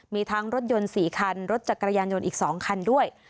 มีทั้งรถยนต์๔คันรถจักรยานยนต์อีก๒คันด้วย